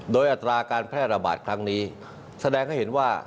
โดยอัตราการแพร่ระบาดครั้งนี้แสดงให้เห็นว่า